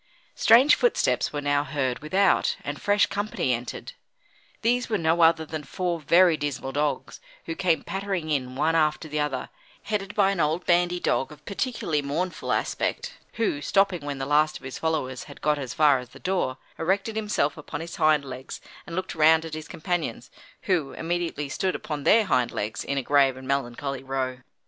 Strange footsteps were now heard without, and fresh company entered. These were no other than four very dismal dogs, who came pattering in one after the other, headed by an old bandy dog of particularly mournful aspect, who, stopping when the last of his followers had got as far as the door, erected himself upon his hind legs and looked round at his companions, who immediately stood upon their hind legs, in a grave and melancholy row.